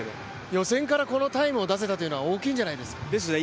予選からこのタイムを出せたというのは大きいんじゃないですか。